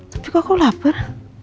tapi kok aku lapar